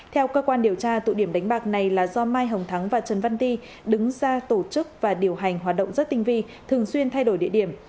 theo cơ quan điều tra tụ điểm đánh bạc này là do mai hồng thắng và trần văn ti đứng ra tổ chức và điều hành hoạt động rất tinh vi thường xuyên thay đổi địa điểm